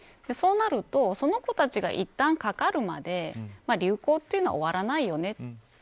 そうなると、その子たちがいったんかかるまで流行というのは終わらないよね。